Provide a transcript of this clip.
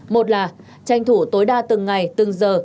một là tranh thủ tối đa từng ngày từng giờ